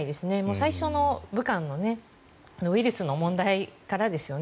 最初の武漢のウイルスの問題からですよね。